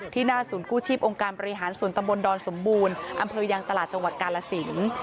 หน้าศูนย์กู้ชีพองค์การบริหารส่วนตำบลดอนสมบูรณ์อำเภอยังตลาดจังหวัดกาลสิน